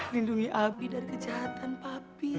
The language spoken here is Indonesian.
lindungi api dari kejahatan papi